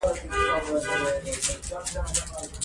دوی افغانستان اسانه کار نه ګڼي.